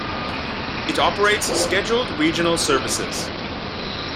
It operates scheduled regional services.